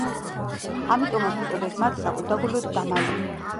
ამიტომაც უწოდეს მათ „საგულდაგულოდ დამალული“.